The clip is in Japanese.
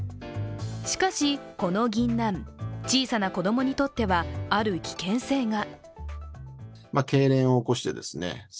しかし、このぎんなん、小さな子供にとっては、ある危険性が。